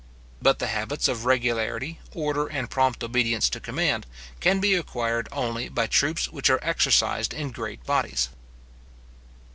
But the habits of regularity, order, and prompt obedience to command, can be acquired only by troops which are exercised in great bodies.